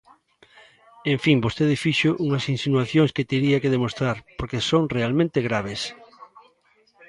En fin, vostede fixo unhas insinuacións que tería que demostrar porque son realmente graves.